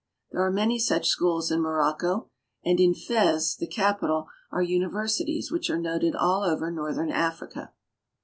There are many such schools in Mo rocco; and in Fez, the capital, are universities which are noted all over northern Africa.